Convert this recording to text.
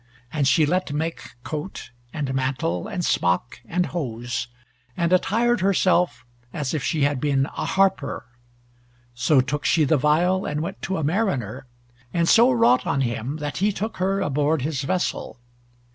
And she let make coat, and mantle, and smock, and hose, and attired herself as if she had been a harper. So took she the viol and went to a mariner, and so wrought on him that he took her aboard his vessel.